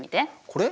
これ？